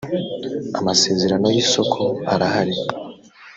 amasezerano y isoko arahari